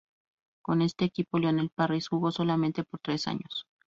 Con este equipo Leonel Parris jugó solamente por tres años.